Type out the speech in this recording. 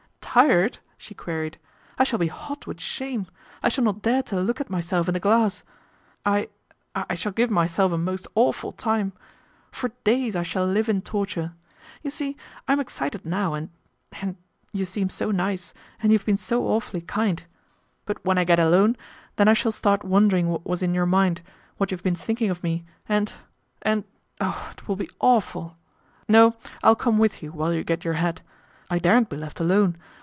"Tired!" she queried, "I shall be hot with shame. I shall not dare to look at myself in the glass. I I shall give myself a most awful time. For days I shall live in torture. You see I'm excited now and and you seem so nice, and you've been so awfully kind; but when I get 3 8 PATRICIA BRENT, SPINSTER alone, then I shall start wondering what was in your mind, what you have been thinking of me, and and oh ! it will be awful. No ; I'll come with you while you get your hat. I daren't be left alone.